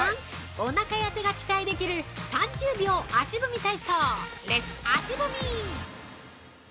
おなか痩せが期待できる３０秒足踏み体操レッツ足踏み！